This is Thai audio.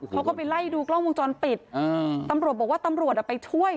เขาก็ไปไล่ดูกล้องวงจรปิดอ่าตำรวจบอกว่าตำรวจอ่ะไปช่วย